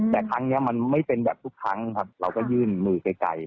แต่ครั้งนี้มันไม่เป็นแบบทุกครั้งครับเราก็ยื่นมือไกล